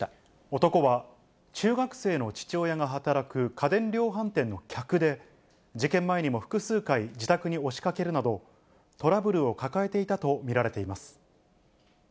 男は中学生の父親が働く家電量販店の客で、事件前にも複数回、自宅に押しかけるなど、トラブルを抱えていたと見られています。